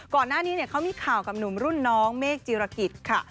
ก่อนหน้านี้เขามีข่าวกับหนุ่มรุ่นน้องเมฆจีรกิจค่ะ